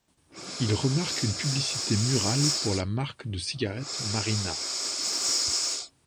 Il remarque une publicité murale pour la marque de cigarettes Marina.